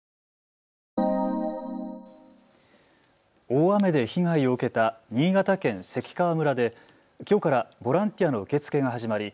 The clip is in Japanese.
大雨で被害を受けた新潟県関川村できょうからボランティアの受け付けが始まり